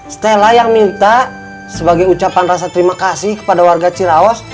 stella yang minta sebagai ucapan rasa terima kasih kepada warga cirawas